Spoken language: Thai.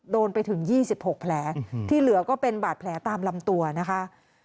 โดนไปถึง๒๖แผลที่เหลือก็เป็นบาดแผลตามลำตัวนะคะ